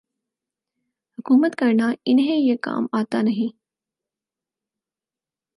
حکومت کرنا انہیں یہ کام آتا نہیں۔